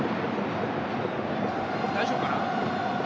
大丈夫かな。